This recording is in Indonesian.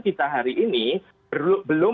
kita hari ini belum